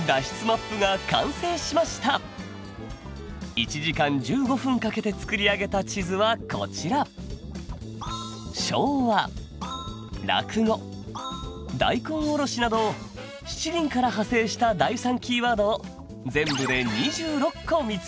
１時間１５分かけて作り上げた地図はこちらなど七輪から派生した第３キーワードを全部で２６個見つけました。